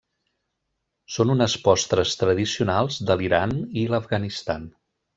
Són unes postres tradicionals de l'Iran i l'Afganistan.